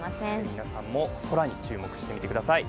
皆さんも空に注目してみてください。